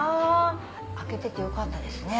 開けててよかったですね。